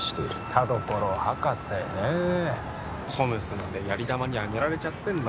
田所博士ねえＣＯＭＳまでやり玉に挙げられちゃってんの？